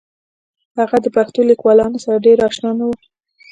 هغه د پښتو لیکوالانو سره ډېر اشنا نه و